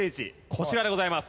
こちらでございます。